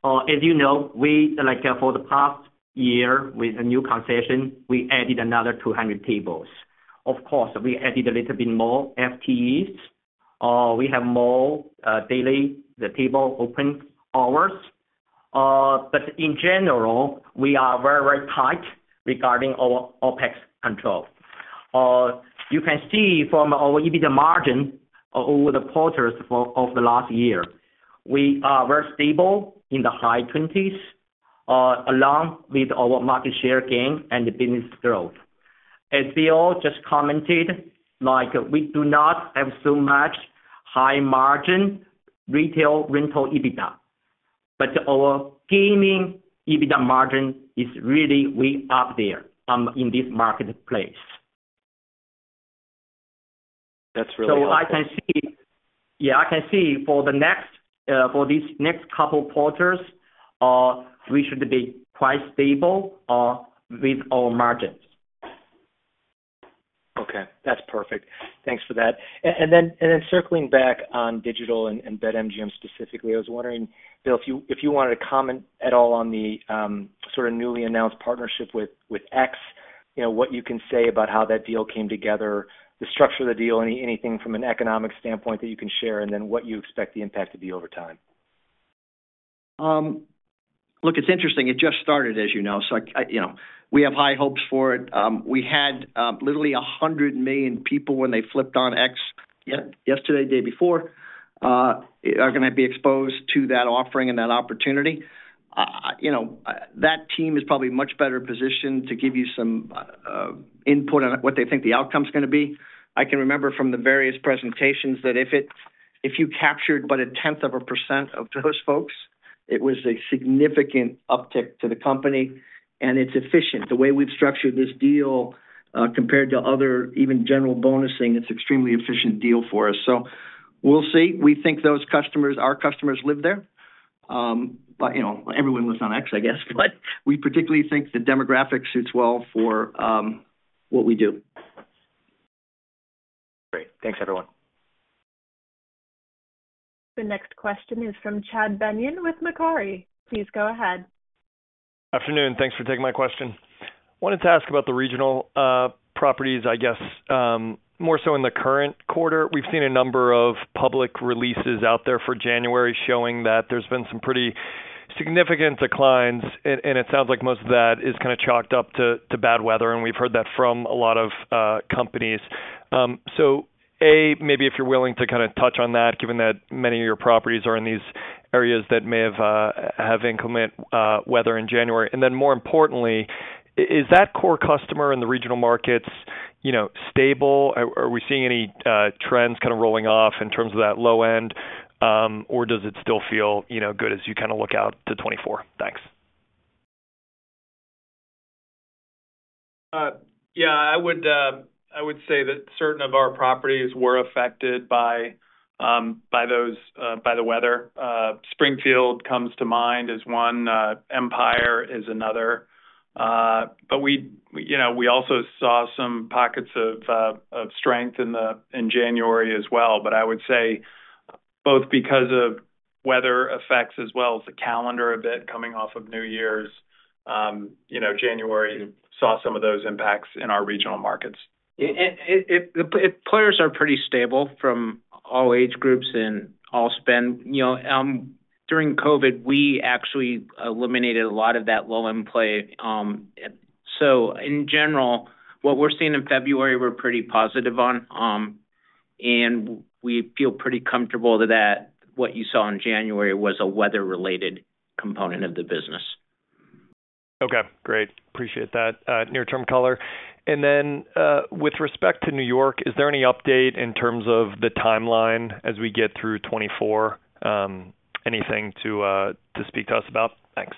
As you know, for the past year, with the new concession, we added another 200 tables. Of course, we added a little bit more FTEs. We have more daily table open hours. But in general, we are very, very tight regarding our OpEx control. You can see from our EBITDA margin over the quarters of the last year, we are very stable in the high 20% along with our market share gain and the business growth. As Bill just commented, we do not have so much high-margin retail rental EBITDA. But our gaming EBITDA margin is really way up there in this marketplace. That's really helpful. So, I can see, yeah, I can see for these next couple quarters, we should be quite stable with our margins. Okay. That's perfect. Thanks for that. And then circling back on digital and BetMGM specifically, I was wondering, Bill, if you wanted to comment at all on the sort of newly announced partnership with X, what you can say about how that deal came together, the structure of the deal, anything from an economic standpoint that you can share, and then what you expect the impact to be over time. Look, it's interesting. It just started, as you know. We have high hopes for it. We had literally 100 million people when they flipped on X yesterday, day before, are going to be exposed to that offering and that opportunity. That team is probably much better positioned to give you some input on what they think the outcome's going to be. I can remember from the various presentations that if you captured but 0.1% of those folks, it was a significant uptick to the company. It's efficient. The way we've structured this deal compared to other even general bonusing, it's an extremely efficient deal for us. We'll see. We think those customers, our customers, live there. Everyone lives on X, I guess. But we particularly think the demographic suits well for what we do. Great. Thanks, everyone. The next question is from Chad Beynon with Macquarie. Please go ahead. Afternoon. Thanks for taking my question. Wanted to ask about the regional properties, I guess, more so in the current quarter. We've seen a number of public releases out there for January showing that there's been some pretty significant declines. And it sounds like most of that is kind of chalked up to bad weather. And we've heard that from a lot of companies. So A, maybe if you're willing to kind of touch on that, given that many of your properties are in these areas that may have inclement weather in January. And then more importantly, is that core customer in the regional markets stable? Are we seeing any trends kind of rolling off in terms of that low end? Or does it still feel good as you kind of look out to 2024? Thanks. Yeah. I would say that certain of our properties were affected by the weather. Springfield comes to mind as one. Empire is another. But we also saw some pockets of strength in January as well. But I would say both because of weather effects as well as the calendar a bit coming off of New Year's, January saw some of those impacts in our regional markets. Players are pretty stable from all age groups and all spend. During COVID, we actually eliminated a lot of that low-end play. So in general, what we're seeing in February, we're pretty positive on. And we feel pretty comfortable that what you saw in January was a weather-related component of the business. Okay. Great. Appreciate that near-term color. And then with respect to New York, is there any update in terms of the timeline as we get through 2024? Anything to speak to us about? Thanks.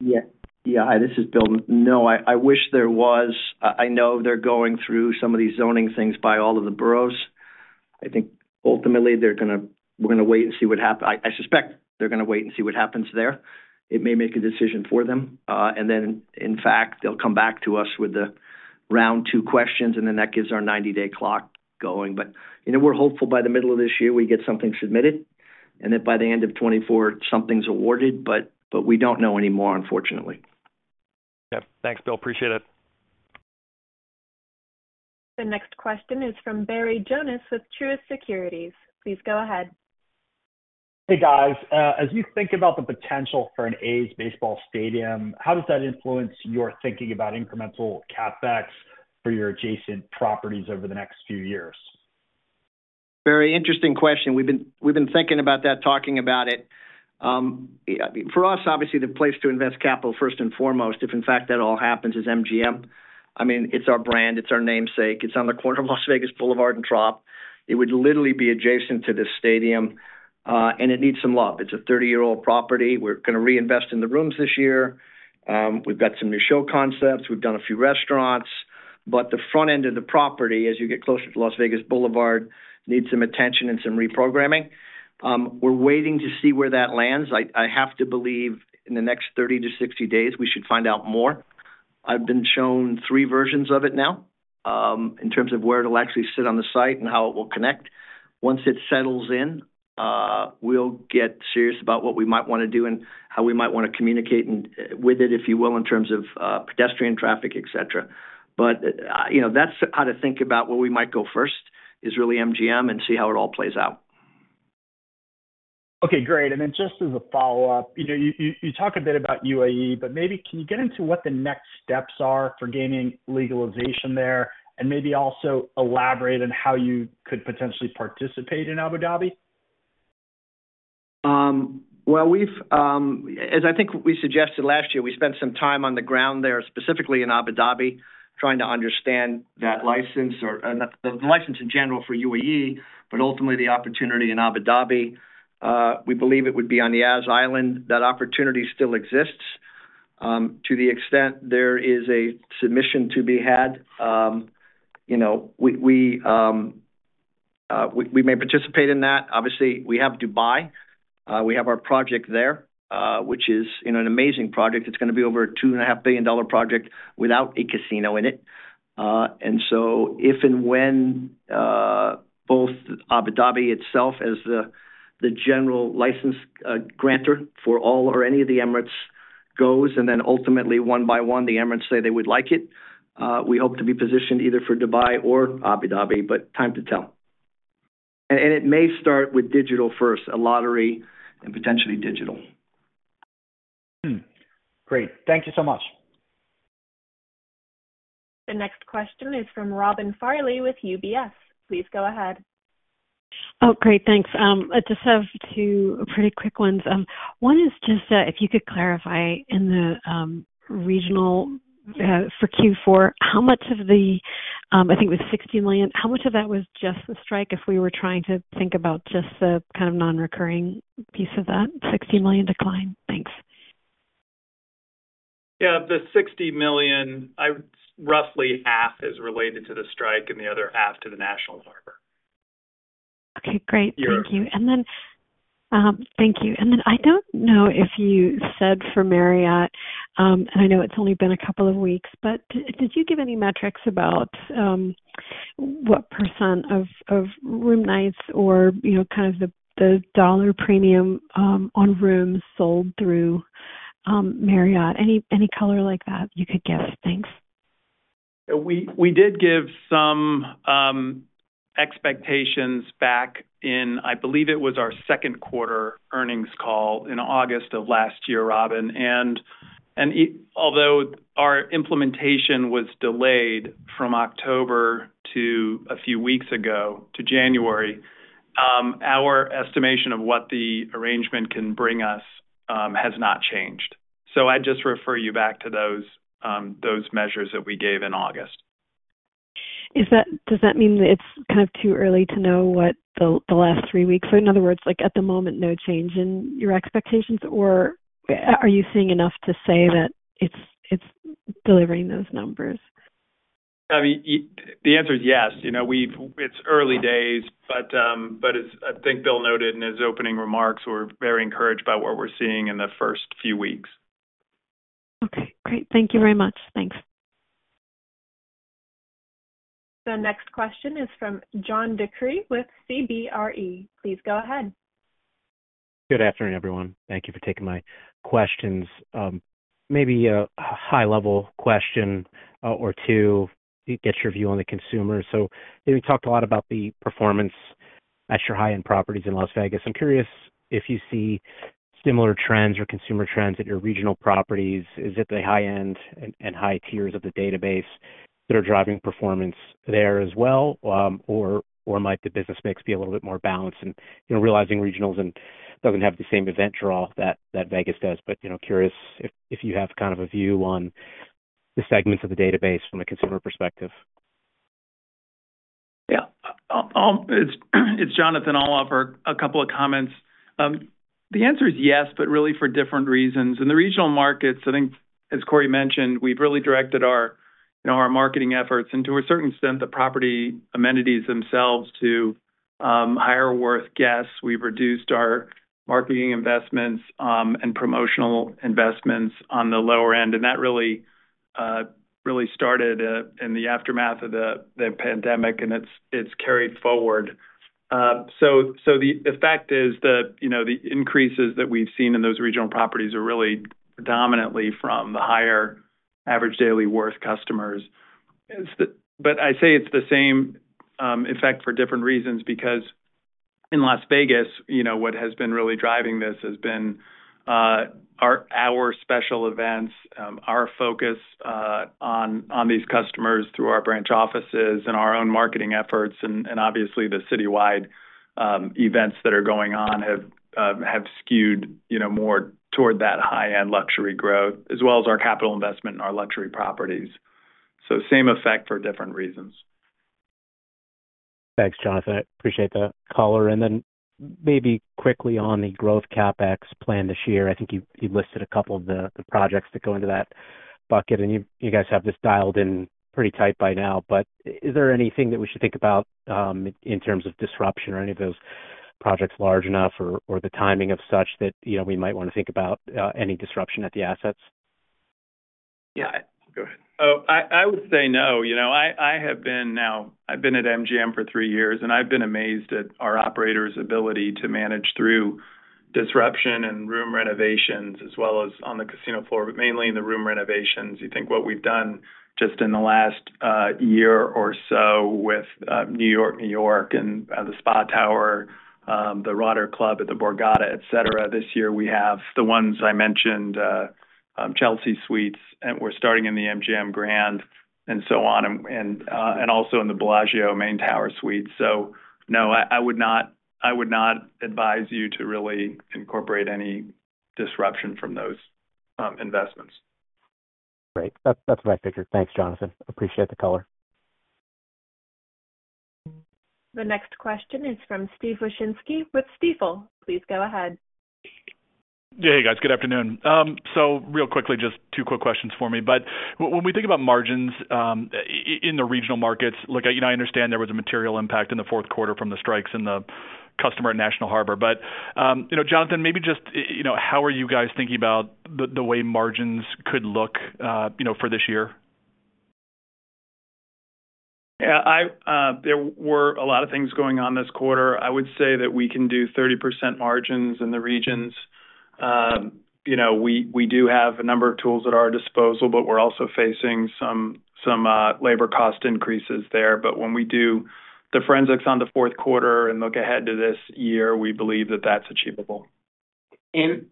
Yeah. Yeah. Hi. This is Bill. No, I wish there was. I know they're going through some of these zoning things by all of the boroughs. I think ultimately, we're going to wait and see what happens. I suspect they're going to wait and see what happens there. It may make a decision for them. And then in fact, they'll come back to us with the round two questions. And then that gives our 90-day clock going. But we're hopeful by the middle of this year, we get something submitted. And then by the end of 2024, something's awarded. But we don't know anymore, unfortunately. Yeah. Thanks, Bill. Appreciate it. The next question is from Barry Jonas with Truist Securities. Please go ahead. Hey, guys. As you think about the potential for an A's baseball stadium, how does that influence your thinking about incremental CapEx for your adjacent properties over the next few years? Very interesting question. We've been thinking about that, talking about it. For us, obviously, the place to invest capital first and foremost, if in fact that all happens, is MGM. I mean, it's our brand. It's our namesake. It's on the corner of Las Vegas Boulevard and Trop. It would literally be adjacent to this stadium. And it needs some love. It's a 30-year-old property. We're going to reinvest in the rooms this year. We've got some new show concepts. We've done a few restaurants. But the front end of the property, as you get closer to Las Vegas Boulevard, needs some attention and some reprogramming. We're waiting to see where that lands. I have to believe in the next 30-60 days, we should find out more. I've been shown three versions of it now in terms of where it'll actually sit on the site and how it will connect. Once it settles in, we'll get serious about what we might want to do and how we might want to communicate with it, if you will, in terms of pedestrian traffic, etc. But that's how to think about where we might go first is really MGM and see how it all plays out. Okay. Great. And then just as a follow-up, you talk a bit about UAE, but maybe can you get into what the next steps are for gaming legalization there and maybe also elaborate on how you could potentially participate in Abu Dhabi? Well, as I think we suggested last year, we spent some time on the ground there, specifically in Abu Dhabi, trying to understand that license or the license in general for UAE, but ultimately the opportunity in Abu Dhabi. We believe it would be on Yas Island. That opportunity still exists to the extent there is a submission to be had. We may participate in that. Obviously, we have Dubai. We have our project there, which is an amazing project. It's going to be over a $2.5 billion project without a casino in it. And so if and when both Abu Dhabi itself as the general license grantor for all or any of the Emirates goes, and then ultimately one by one, the Emirates say they would like it, we hope to be positioned either for Dubai or Abu Dhabi. But time to tell. It may start with digital first, a lottery and potentially digital. Great. Thank you so much. The next question is from Robin Farley with UBS. Please go ahead. Oh, great. Thanks. I just have two pretty quick ones. One is just if you could clarify in the regional for Q4, how much of the, I think it was $60 million. How much of that was just the strike if we were trying to think about just the kind of non-recurring piece of that $60 million decline? Thanks. Yeah. The $60 million, roughly half is related to the strike and the other half to the National Harbor. Okay. Great. Thank you. And then thank you. And then I don't know if you said for Marriott and I know it's only been a couple of weeks, but did you give any metrics about what % of room nights or kind of the dollar premium on rooms sold through Marriott? Any color like that you could give? Thanks. We did give some expectations back in I believe it was our second quarter earnings call in August of last year, Robin. Although our implementation was delayed from October to a few weeks ago to January, our estimation of what the arrangement can bring us has not changed. I'd just refer you back to those measures that we gave in August. Does that mean that it's kind of too early to know what the last three weeks, so in other words, at the moment, no change in your expectations? Or are you seeing enough to say that it's delivering those numbers? I mean, the answer is yes. It's early days. But as I think Bill noted in his opening remarks, we're very encouraged by what we're seeing in the first few weeks. Okay. Great. Thank you very much. Thanks. The next question is from John DeCree with CBRE. Please go ahead. Good afternoon, everyone. Thank you for taking my questions. Maybe a high-level question or two to get your view on the consumer. So we talked a lot about the performance at your high-end properties in Las Vegas. I'm curious if you see similar trends or consumer trends at your regional properties. Is it the high-end and high tiers of the database that are driving performance there as well? Or might the business mix be a little bit more balanced? And realizing regionals doesn't have the same event draw that Vegas does. But curious if you have kind of a view on the segments of the database from a consumer perspective. Yeah. It's Jonathan. I'll offer a couple of comments. The answer is yes, but really for different reasons. In the regional markets, I think, as Corey mentioned, we've really directed our marketing efforts and to a certain extent, the property amenities themselves to higher-worth guests. We've reduced our marketing investments and promotional investments on the lower end. And that really started in the aftermath of the pandemic. And it's carried forward. So the effect is the increases that we've seen in those regional properties are really predominantly from the higher average daily worth customers. But I say it's the same effect for different reasons because in Las Vegas, what has been really driving this has been our special events, our focus on these customers through our branch offices and our own marketing efforts. And obviously, the citywide events that are going on have skewed more toward that high-end luxury growth as well as our capital investment in our luxury properties. So same effect for different reasons. Thanks, Jonathan. I appreciate that color. And then maybe quickly on the growth CapEx plan this year, I think you listed a couple of the projects that go into that bucket. And you guys have this dialed in pretty tight by now. But is there anything that we should think about in terms of disruption or any of those projects large enough or the timing of such that we might want to think about any disruption at the assets? Yeah. Go ahead. I would say no. I've been at MGM for three years. And I've been amazed at our operator's ability to manage through disruption and room renovations as well as on the casino floor, but mainly in the room renovations. You think what we've done just in the last year or so with New York-New York, and the Spa Tower, the Water Club at the Borgata, etc. This year, we have the ones I mentioned, Chelsea Suites. And we're starting in the MGM Grand and so on and also in the Bellagio Main Tower Suite. So no, I would not advise you to really incorporate any disruption from those investments. Great. That's my figure. Thanks, Jonathan. Appreciate the color. The next question is from Steve Wieczynski with Stifel. Please go ahead. Hey, guys. Good afternoon. So real quickly, just two quick questions for me. But when we think about margins in the regional markets, I understand there was a material impact in the fourth quarter from the strikes in the customer at National Harbor. But Jonathan, maybe just how are you guys thinking about the way margins could look for this year? Yeah. There were a lot of things going on this quarter. I would say that we can do 30% margins in the regions. We do have a number of tools at our disposal. But we're also facing some labor cost increases there. But when we do the forensics on the fourth quarter and look ahead to this year, we believe that that's achievable. In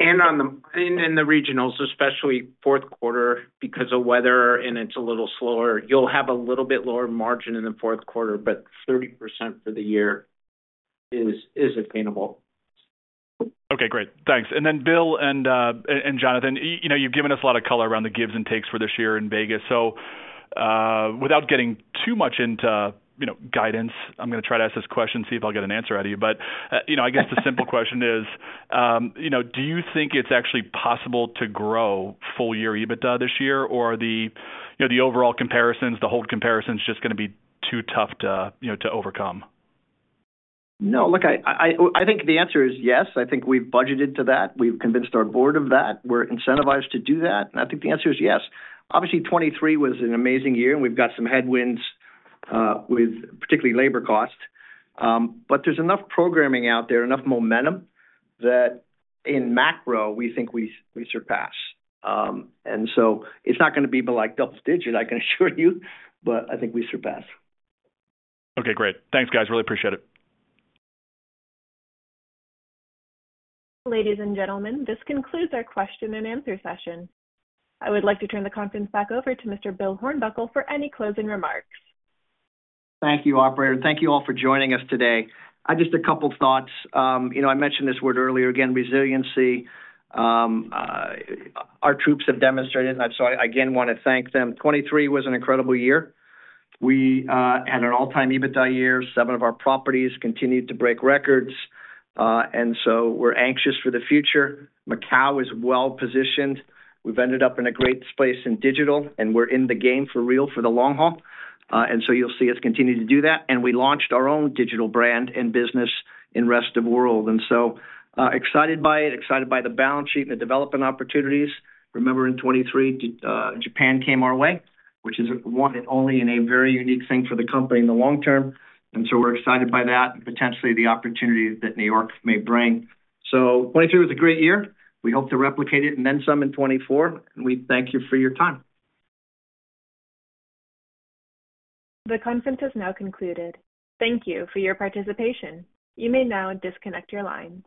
the regionals, especially fourth quarter, because of weather and it's a little slower, you'll have a little bit lower margin in the fourth quarter. But 30% for the year is attainable. Okay. Great. Thanks. Then Bill and Jonathan, you've given us a lot of color around the gives and takes for this year in Vegas. Without getting too much into guidance, I'm going to try to ask this question, see if I'll get an answer out of you. I guess the simple question is, do you think it's actually possible to grow full-year EBITDA this year? Or are the overall comparisons, the hold comparisons, just going to be too tough to overcome? No. Look, I think the answer is yes. I think we've budgeted to that. We've convinced our board of that. We're incentivized to do that. And I think the answer is yes. Obviously, 2023 was an amazing year. And we've got some headwinds, particularly labor cost. But there's enough programming out there, enough momentum that in macro, we think we surpass. And so it's not going to be like double-digit, I can assure you. But I think we surpass. Okay. Great. Thanks, guys. Really appreciate it. Ladies and gentlemen, this concludes our question and answer session. I would like to turn the conference back over to Mr. Bill Hornbuckle for any closing remarks. Thank you, operator. Thank you all for joining us today. Just a couple of thoughts. I mentioned this word earlier. Again, resiliency. Our troops have demonstrated it. And so I again want to thank them. 2023 was an incredible year. We had an all-time EBITDA year. Seven of our properties continued to break records. And so we're anxious for the future. Macau is well-positioned. We've ended up in a great place in digital. And we're in the game for real for the long haul. And so you'll see us continue to do that. And we launched our own digital brand and business in the rest of the world. And so excited by it, excited by the balance sheet and the development opportunities. Remember, in 2023, Japan came our way, which is one and only and a very unique thing for the company in the long term. And so we're excited by that and potentially the opportunity that New York may bring. So 2023 was a great year. We hope to replicate it and then some in 2024. And we thank you for your time. The conference has now concluded. Thank you for your participation. You may now disconnect your lines.